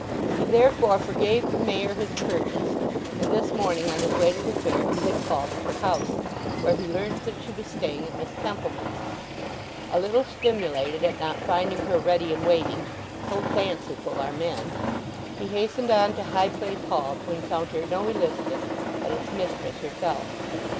He therefore forgave the Mayor his curtness; and this morning on his way to the fair he had called at her house, where he learnt that she was staying at Miss Templeman's. A little stimulated at not finding her ready and waiting—so fanciful are men!—he hastened on to High Place Hall to encounter no Elizabeth but its mistress herself.